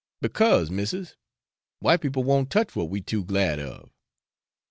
'Because, missis, white people won't touch what we too glad of.'